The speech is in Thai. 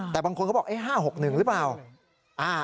แต่บางคนเขาบอก๕๖๑หรือเปล่า